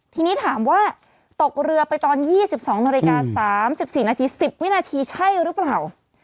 ทีนี้ถามว่าตกเรือไปตอน๒๒นาฬิกา๓๔นาที๑๐วินาทีใช่หรือเปล่า